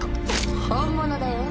本物だよ。